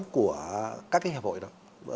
của các hiệp hội đâu